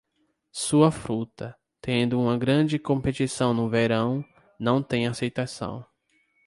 Sua fruta, tendo uma grande competição no verão, não tem aceitação.